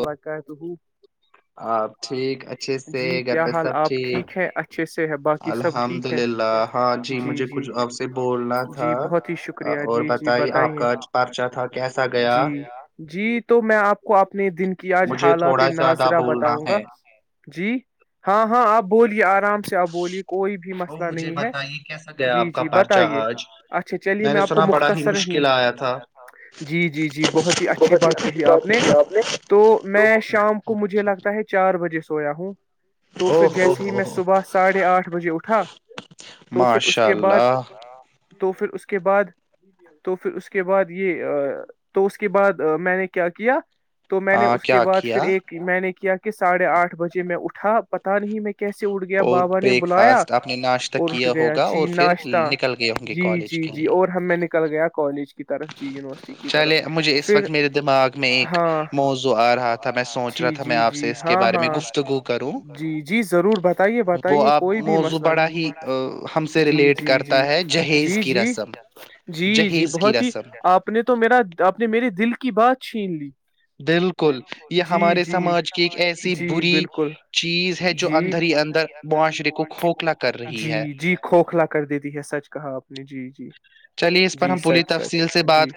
و آپ ٹھیک اچھے سے گھر پہ سب ٹھیک الحمد للہ ہاں جی مجھے کچھ اب سے بولنا تھا اور بتائی آپ کا پرچہ تھا کیسا گیا [unintelligible] تو میں آپ [unintelligible] کوپ [unintelligible] اپنے دن کی آج حالات ناظرہ بتاؤں گا جی ہاں ہاں آپ بولیے آ آرام سے آپ بولیے کوئی بھی مسئلہ نہیں ہے جی جی بتائیے اچھا چلیے میں آپ کو مختصر ہ جی جی جی بہت ہی اچھی بات کہی آپ نے [unintelligible] تو میں شام کو مجھے لگتا ہے چار بجے سے سویا ہوں [unintelligible] تو پھر جیسے ہی میں صبح ساڑھے آٹھ بجے اٹھا تو پھر اس کے بعد [unintelligible] تو پھر اس کے بعد تو پھر اس کے بعد یہ تو اس کے بعد میں نے کیا کیا [unintelligible] تو میں نے اس کے بعد پھر ایک میں نے کیا سڑھے آٹھ بجے میں اٹھا پتا نہیں میں کہ کیسے اٹ گیا بابا نے بلایا اور اٹھ گیا جی ناشتہ جی جی جی اور ہم میں نے نل گیا کالج کے [unintelligible] کی طرف جی یونیورسٹی کی طرف پھر ہاں [unintelligible] موزو آ رہا تھا میں سوچ رہا تھا میں آپ سے اس کے بارے میں گفتگو کروں بتائیے بتائیے کوئی بھی مسئلہ نہیں ہے جی جی جی جی جی جی جی بہت ہی آپ نے تو میرا آپ نے میرے دل [unintelligible] کی بات چھین لی [unintelligible] بالکل جی جی جی بالکل جیر جی جی کھوکھلا کر دیتی ہے سچ کہا آپ نے جی جی [unintelligible] جی سچ سچ جی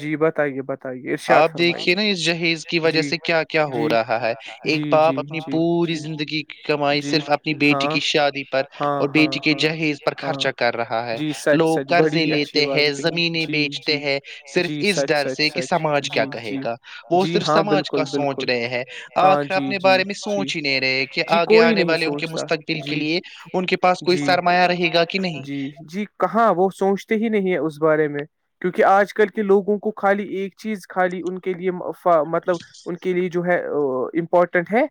جی بتائیے بتائیے ارشاد فرمائیے [unintelligible] جہیز کی وجہ سے کیا کیا ہو رہا ہے ایک باپ اپنی پوری زندگی کی کمائی صرف اپنی بیٹی کی شادی پر اور بیٹی کے جہیز پر خرچا کر رہا ہے [unintelligible] قضے لیتے ہیں زمینیں بیچتے ہیں صرف اس ڈر سے کہ سماج کیا کہے گا [unintelligible] وہ صرف سماج کا سوچ رہے ہیں آخر اپنے بارے میں سوچ ہی نہیں رہے کہ آگے آنے والے ان کے مستقبل کے لیے ان کے پاس کوئی سرمایہ رہے گا کہ نہیں سوچتے ہی نہیں ہے اس بارے میں کیونکہ آج کل کے لوگوں کو خالی ایک چیز خالی ان کے کےلم [unintelligible] مطلب ان کی لیڈر [unintelligible] ہے امپورٹنٹ ہے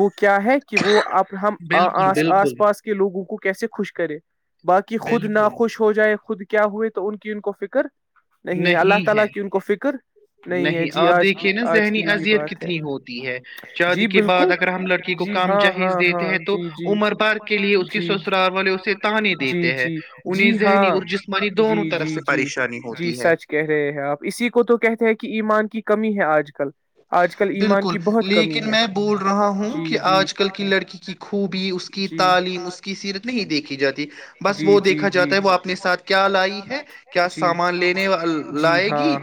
وہ [unintelligible] کیا ہے کہ وہ ا ہم آس پاس کے لوگوں کو کیسے خوش کرے [unintelligible] باقی خود ناخوش ہو جائے خود [unintelligible] کیا ہوئے تو ان کی ان کو فکر [unintelligible] [unintelligible] آپ دیکھیے نا ذہنی اذیت کتنی ہوتی ہے شادی کے بعد اگر ہم لڑکی کو کام جہیز دیتے ہیں تو عمر بھر کے لیے اس کے سسرال والے اسے تانے دیتے ہیں انہیں ذہنی اور جسمانی دونوں طرف سے پریشانی ہوتی سچ کہہ رہے ہیں آپ اسی کو تو کہتے ہیں کہ [unintelligible] ایمان کی [unintelligible] کمی ہے آج کل [unintelligible] بالکل لیکن میں بول رہا ہوں کہ آج کل کی لڑکی کی خوبی اس کی تعلیم اس کی سیرت نہیں دیکھی جاتی بس وہ دیکھا جاتا ہے وہ اپنے ساتھ کیا لائی ہے کیا سامان لینے لائے گی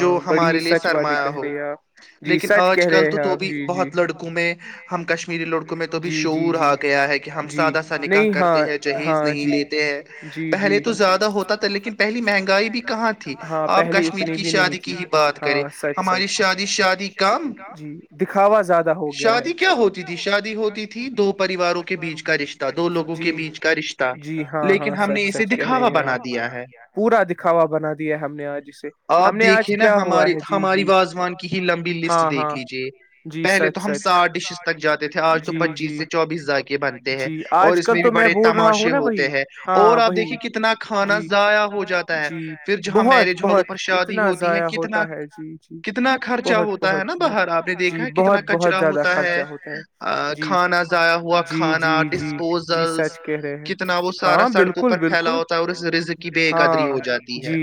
جو ہمارے لیے سرما کہہ رہے آ [unintelligible] لیکن آج کل تو تو بھی بہت لڑکوں میں ہم کشمیری لڑکوں میں تو بھی شعور آ گیا ہے کہ ہم سادہ سا نکاح کرتے ہیں جہیز نہیں لیتے ہیں پہلے تو زیادہ ہوتا تھا لیکن پہلی مہنگائی بھی کہاں تھی آپ کشمیر کی شادی کی ہی بات کریں ہماری شاد [unintelligible] ش شادی کا جی دکھاوا زیادہ ہو گیا ہے شادی کیا ہوتی تھی شادی ہوتی تھی دو پریواروں کے بیچ کا ر جی بی کا جی ہاں ہاں سچ سچ کہہ رہے ہیں آپ ب دیا پورا دکھاوا بنا دیا ہم نے آج اسے ہم نے آج کیا ہوا ہے جی جی [unintelligible] ہی لمبی لسٹ دیکھ لیجے پہلے تو ہم ساات ڈشز تک جاتے تھے آج تو پچیس سے چوبیس جا کے بنتے ہیں اور اس میں بھی بڑے تماشے ہوتے ہیں اور آپ دیکھیے کتنا کھانا ضائع ہو جاتا ہے پھر جہاں میرج ہالوں پر شادی ہوتی ہے کتنا [unintelligible] کتنا خرچہ ہوتا ہے نا باہر آپ نے دیکھا ہے کتنا کچرا ہوتا ہے کھانا ضایا ہوا کھانا ڈسپوزلس کتنا وہ سارا سڑکوں پر پھیلا ہوتا ہے اور اس رز کی بے قدری ہو جاتی ہے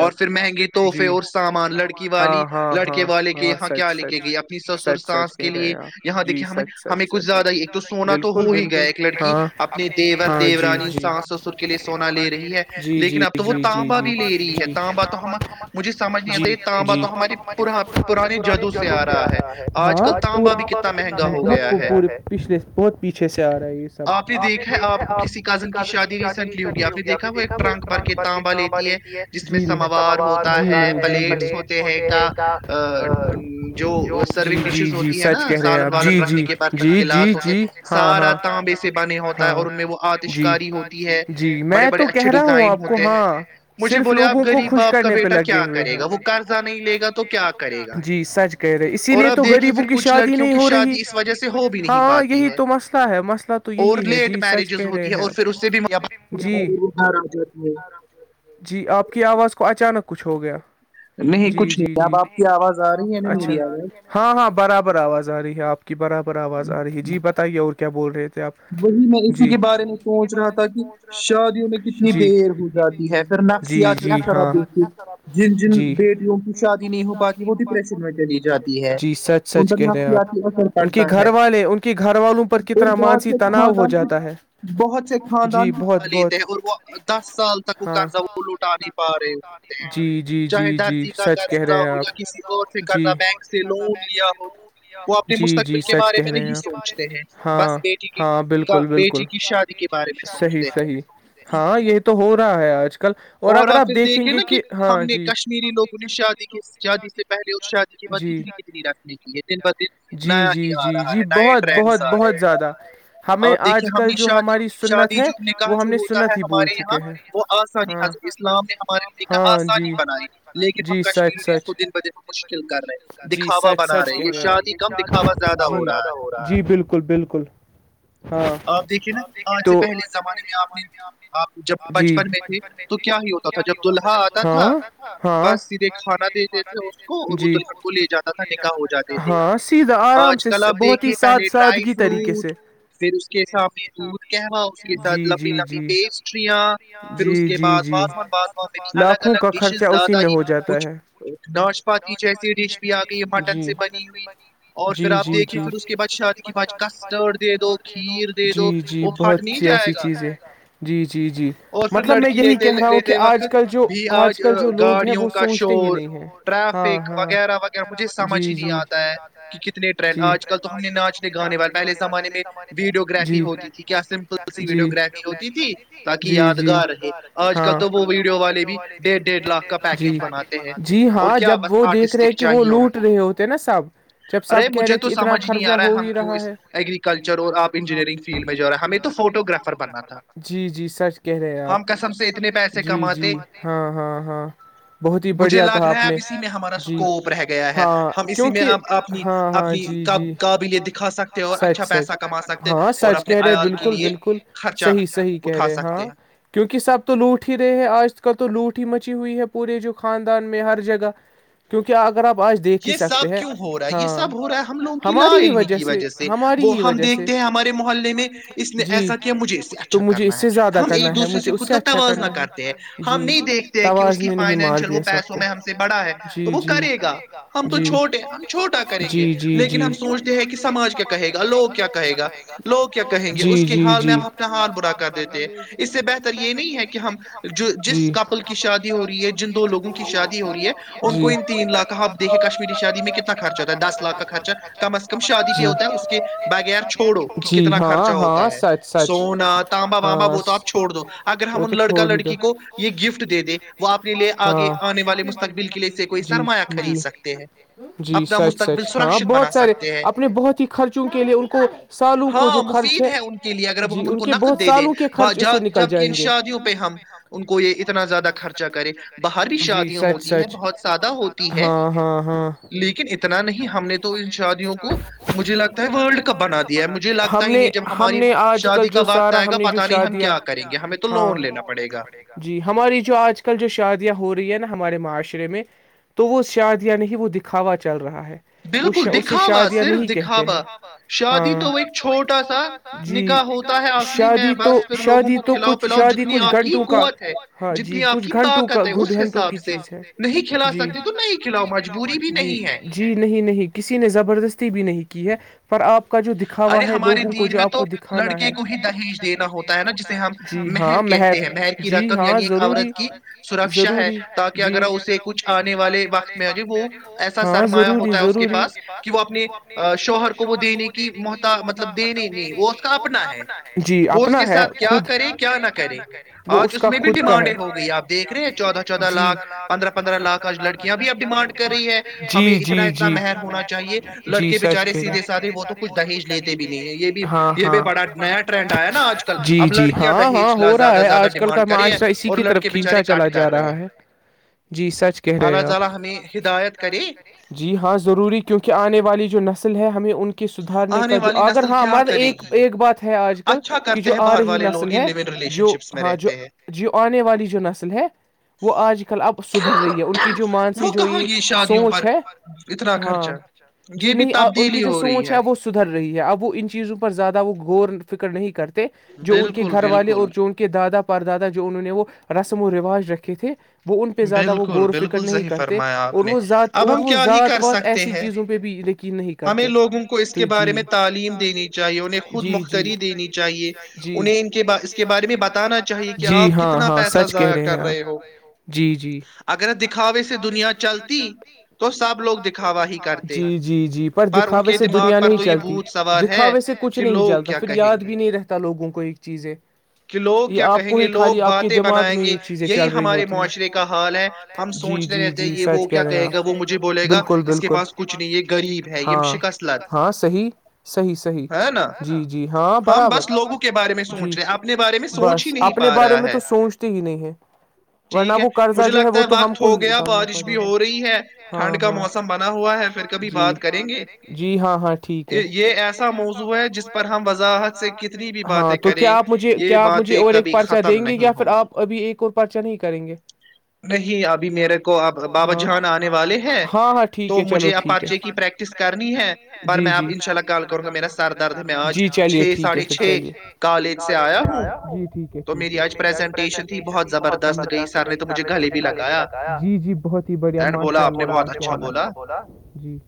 اور پھر مہنگی تحفے اور [unintelligible] لڑکی والی لڑکے والے کے یہاں کیا لے کے گئی اپنی سسر ساس کے لیے یہاں دیکے ہم ہمیں کچھ زیادہ ہی ایک تو سونا تو ہو ہی گیا ایک لڑکی اپنے دیور دیورانی ساس سسر کے لیے سونا لے رہی ہے لیکن اب تو وہ تانبا بھی لے رہی ہے تانبا تو ہم مجھے [unintelligible] سج نہیںتے [unintelligible] تانبا تو ہمارے پرانے جلوں سے آ رہا ہےاں آج کل تانبا بھی کتنا مہنگا پھے بہت پیچھے سے آ رہا ہے یہ سب آپ نے دیکھا ہے آپ کو کسی کزن کی شادی نہیں سنی ہوگی آپ نے دیکھا وہ ایک ٹرانک ب کے تانبا لیتی ہے ج سماوار [unintelligible] ہے پلیٹس [unintelligible] ہوتے ہیں کا جو سرونگ ڈشز ہوتی ہے نا سالن والن رکھنے کے برتن گلاس ہوتے سارا تانبے سے بنے ہوتا ہے اور ان میں وہ آتشکاری ہوتی ہے بڑے بڑے اچھے ڈیزائن ہوتے ہیں مجھے بولے آپ غریب باپ کا بیٹا کیا [unintelligible] ہاں [unintelligible] ے گا جی سچ کہہ رہے اسی لیے تو غریبوں کی شادی نہیں ہو رہی ہاں یہی تو مسئلہ ہے مسئلہ تو یہی ہے جی سچ کہہ رہے ہیں جی جی آپ کی آواز کو اچانک [unintelligible] کچھ ہو گیا [unintelligible] جی جی جیچھ اچھا ہاں ہاں برابر آواز آ رہی ہے آپ کی برابر آواز آ رہی ہے جی بتائیے اور کیا [unintelligible] کیا بول رہے ہیں وہی میں اسی کے بارے میں سوچ رہا تھا کہ شادیوں میں کتنی دیر ہو جاتی ہے پھر نفسیاتی اثرات دتی [unintelligible] جی جی سچ سچ کہہ رہے ہیں آپ ان کی گھر والے ان کی گھر والوں پر کتنا مانسی خاندان بہت سے خاندان لیتے ہیں اور وہ دس سال تک وہ قرضہ وہ لٹا نہیں پا رہے [unintelligible] چاہے درزی کا قرضہ ہو یا کسی اور سے قرضہ بینک سے لون لیا ہو وہ اپنے مستقبل کے بارے میں نہیں سوچتے ہیں بس ہاں بالکل بالکل صحی صحی ہاں یہ تو ہو رہا ہے آج [unintelligible] اور اگر آپ دیکھیں گے کہ [unintelligible] ہم نے کشمیری لوگوں نے شادی کی شادی سے پہلے اور شادی کے بد کتنی کتنی رسمی کی ہے دن بہدن جی جی جی جی بہت بہت بہت زیادہ ہمیں آج کل جو ہماری سنت ہے وہ ہم نے سنت ہی بول چکے ہیں ہاں اسلام نے ہمارے لیے نا آسانی بنائی لیکن ہم کشمیر کو دن ب دن ہم مشکل کر رہے دکھاوا بنا رہے ہیں یہ شادی شی جی بالکل بالکل [unintelligible] آپ دیکھیے نا آج سے پہلے زمانے میں آپ نے آپ جب ہم بچپن میں تھے تو کیا ہی ہوتا تھا جب دلہلہا آتا تھا بس سیدھے کھانا دیتے تھے اس کو اور وہ دلہن کو لے جاتا تھا نکاح ہو جاتے تھے تھا آرام سے بہت ہی ساد سادگی طریقے سے کے سامنے دودھ کہوا اس کے ساتھ لمبی لمبی پیسٹریاں پھر اس کے بعدازاز میں بھی الگ الگ ڈشز زیادہ ہی کچھ ناشپی جیسی ڈش بھی آ گئی مٹن سے بنی ہوئی اور پھر آپ دیکھیے پھر اس کے بعد شادی کے بع کسٹرڈ دے دو جی جی بہت سی ایسی چیزیں جی جی جی مطلب میں یہی کہہ رہا ہوں کہ آج کل جو آج کل جو لوگ ہیں وہ سوچتے ہی نہیں ہے ہاں ہاں جی جی کتنے ٹرینڈ آج کل تو ہم نے ناچنے گانے والے پہلے زمانے میں ویڈیو گرافی ہوتی تھی کیا سمپل سی ویڈیو گرافی ہوتی تھی تاکہ یادگار رہے آج کل تو وہ ویڈیو والے بھی ڈیھ ڈیھ لاکھ کا پیکج بناتے ہیں اور کیا بس آرٹسٹک چاہیے ان کو ارے مجھے تو سمجھ نہیں آ رہا ہے ہم کیوں اس ایگرییکلچر اور آپ انجینئرنگ فیلڈ میں جا رہا ہمیں تو فوٹو گرافر بننا تھا ہم کسم سے اتنے پیسے کماتے مجھے لگ رہا ہے اب اسی میں ہمارا اسکوپ رہ گیا ہے ہم اسی میں اب اپنی اپنی قابلیت دکھا سکتے اور اچھا پیسہ کما سکتے ہاں سچ کہہ رہے ہیں بالکل بالکل صحیحی کہہ رہے ہاں کیونکہ سب تو لوٹ ہی رہے ہیں آج کا تو لوٹ ہی مچ ہوئی ہے پورے جو خاندان میں ہر جگہ کیونکہ آگے اگر آپ آج دیکھ ہی سکتے ہیں ہو رہا ہے یہ سب ہو رہا ہے ہم لوگوں کی لا علمی کی وجہ سے وہ ہم دیکھتے ہیں ہمارے محلے میں اس نے ایسا کیا مجھے اس سے اچھا کرنا ہے ہم ایک دوسرے سے خود کا توازنہ کرتے ہیں ہم نہیں دیکھتے ہیں کہ اس کی فائنینشیل وہ پیسوں میں ہم سے بڑا ہے تو وہ کرے گا تو چوٹ ہے ہم چوٹے کریں گے لیکن ہم سوچتے ہیں کہ سماج کیا کہے گا لوگ کیا کہے گا لوگ کیا کہیں گے اس کے حال میں ہم اپنا حال برا کر دیتے ہیں اس سے بہتر یہ نہیں ہے کہ ہم جس کپل کی شادی ہو رہی ہے جن دو لوگوں کی شادی ہو رہی ہے ان کو ان تین لاکھ کا یکے کشمیری شادی میں کیا ہے دس لاکھ کا خرچہ کم از کم شادی پہ ہوتا ہے اس کے بغیر چھوڑو کہ کتنا خرچہ ہوتا ہے سنا تانبا وبا وہ تو آپ چھوڑ دو اگر ہم ان لڑکا لڑکی کو یہ گفٹ دے دے وہ اپنے لیے آگے آنے والے مستقبل کے لیے کوئی سرمایہ خرید سکتے تے ہیں اپنا مستقبل سرکشت بنا سکتے ہیں ہاں مفید ہے ان کے لیے اگر وہ ہم ان کو نقد دے دیں جبک ان شادیوں پہ ہم ان کو یہ اتنا زیادہ خرچہ کریں باہر بھی شادیاں ہوتی ہے بہت زیادہ ہوتی ہے ہاں ہاں لیک اتنا نہیں ہم شادی کیا ہم نے آج کل جو سارا ہم نے شادیاںاںاے گ جی ہماری جو آج کل جو شادیاں ہو رہی ہے نا ہمارے معاشرے میں تو وہ شاد یا نہیں وہ دکھا کوا چل رہا ہے بالکل دکھاوا صرف دکھاوا شادی تو وہ ایک چھوٹا سا نکاح ہوتا ہے اصلی میں بس پھر لوگوں کو کھلاؤ پلاؤ جتنی آپ کی قوت ہے جتنی آپ کی طاقت ہے اس حساب سے نہیں کھلا سکتے تو نہیں کھلاؤ مجبوری بھی نہیں جی نہیں نہیں کسی نے زبردستی بھی نہیں کی ہے تو ارے ہمارے دیر میں تو لڑکے کو ہی دہیج دینا ہوتا ہے نا جسے ہم مر کہتے ہیں مر کی رقم یعنی ایک عورت کی سرکشا ہے تاکہ اگر اسے کچھ آنے والے وقت میں وہ ایسا سرمایا ہوتا ہے اس کے پاس کہ وہ اپنے شوہر کو وہ دینے کے دینے کی متا مطبنےنا جی اپنا ہے خ کیا کرے کیا نہ کرے وہ اس کا خود کا ہے ڈ گئی آپ دیکھ رہےہودہ لاکھ پندرہ پندرہ لاکھ لڑکیاں اب ڈمانڈ ہمیں اتنا اتنا مہر ہونا چاہیے لڑکے بےچارے سیدھے سادھے وہتے ہاں ہاں جی جی ہاں ہاں ہو رہا ہے آج کل کا معاشرہ اسی کی طرف کھینچا چلا جا رہا ہے جی سچ کہہ رہے ہیں آپ جی ہاں ضروری کیونکہ آنے والی جو نسل ہے ہمیں ان کے کہ سدارنے کا جو اگر ہاں م ایک ایک بات ہے آج کل کہ جو آ رہی نسل ہے جو ہاں جو جو آنے والی جو نسل ہے وہ آج کل اب سدھر رہی ہے ان کی جو مانسی جو یہ شادیوں پر اتنا خرچہ یہ بھی تبدیلی ہو رہی ہے سدھر رہی ہے اب وہ ان چیزوں پر زیادہ وہ ور فکر نہیں کرتے جو ان کے گھر والے اور جو ان کے دادا پر دادا جو انہوں نے وہ رسم و رواج رکھے جتے وہ ان پہ زیادہ وہ غور و فکر نہیں کرتے اور وہ ذات وات ایسی چیزوں پہ بھی یقین نہیں کرتے جی تعلی جی جی جی جی ہاں ہاں سچ کہہ رہے ہیں آپ اگر دکھاوے اسے دنیا کے د چتی جی جی جی پر دکھاوے سے دنیا نہیں چلتی دکھاوے سے کچھ نہیں چلتا پھر یاد بھی نہیں رہتا لوگوں کو ایک چیزیں یہ آپ کو ہی خالی آپ کے دماغ میں یہ چیزیں چل رہی ہوتی کا حال ہے ہم سوچتے رہتے ہیں یہ کہے بالکل بالکل ہاں ہاں صیح صحیح صحیح جی جی ہاں برابر جی بس اپنے بارے میں تو سوچتے ہی نہیں ہے ورنہ وہ کر مجھے لگتا ہے وقت ہو گیا بارش بھی [unintelligible] ی ہاں ہاں بناا جی جی ہاں ہاں ٹھیک ہے یہ ایسا موضوع ہے جس پر وض ہاں تو کیا آپ آپ مجھے اور ایک پرچہ دیں گے یا پھر آپ ابھی ایک اور پرچا نہیں کریں گے نہیں ابھی میرے کو اپ بابا جان آنے والے ہیں تو مجھے اپچے کی پریکٹس کرنی ہے ب میں آپ ان شاء اللہ کال کروں گا میرا سر درد ہے میں آج چھ ساڑھے چھ کالج سے آیا ہوں تو میری آج پرزنٹیشن تھی بہت زبردست گئی سر نے تو مجھے گال بھی لگایا جی جی [unintelligible] بہت ہی بڑھیا ماشاءلہ جی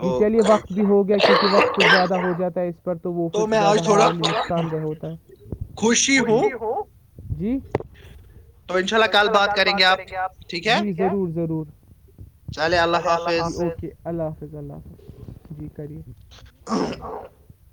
ج چلیے وقت بھی ہو گیا کیونکہ وقت زیادہ ہو جاتا ہے پر تو وہ پھر زیادہ ہمارے نقصان دہ ہوتا ہے خوشی ہوں [unintelligible] جی اور انشاء اللہ کل بات کریں گے آپ [unintelligible] جی ضرور ضرور اوک اللہ [unintelligible] اس گا جی کری [unintelligible]